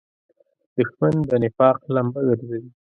دښمن د نفاق لمبه ګرځوي